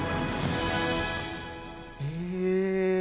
ええ！